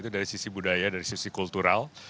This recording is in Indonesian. dari sisi budaya dari sisi kultural